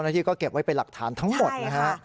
ที่ก็เก็บไว้เป็นหลักฐานทั้งหมดนะฮะ